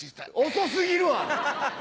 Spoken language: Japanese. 遅過ぎるわ！